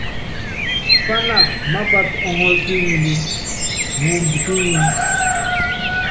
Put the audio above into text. Pánaka mápát ɔŋɔ́l ki iŋilí moomb ki ŋínd.